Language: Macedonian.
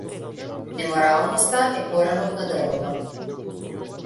Неморалноста е коренот на дрвото.